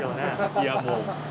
いやもう。